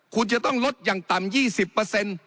คุณจะต้องลดอย่างต่ำ๒๐